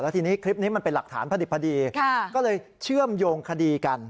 แล้วคลิปนี้เป็นหลักฐานพฤติพฤดีก็เลยเชื่อมโยงคดีกัน